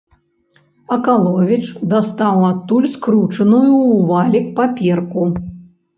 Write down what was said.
Акаловіч дастаў адтуль скручаную ў валік паперку.